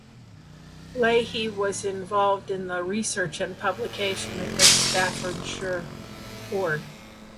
Leahy was involved in the research and publication of the Staffordshire Hoard.